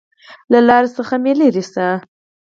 له لارې څخه مې لېرې شه!